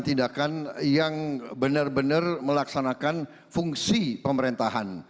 tindakan yang benar benar melaksanakan fungsi pemerintahan